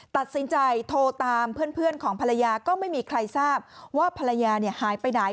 ตัดสินใจโทรตามเพื่อนของภรรยาก็ไม่มีใครทราบว่าภรรยาหายไปไหน